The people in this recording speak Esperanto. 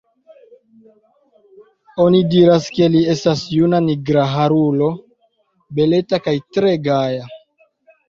Oni diras, ke li estas juna nigraharulo, beleta kaj tre gaja.